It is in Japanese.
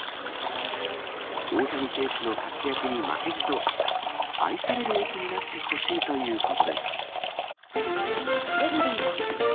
大谷選手の活躍に負けじと、愛される駅になってほしいということです。